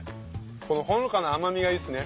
このほのかな甘みがいいですね。